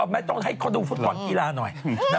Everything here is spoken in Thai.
อ้อแม้ต้องที่คนดูฝุ่นกีฬาหน่อย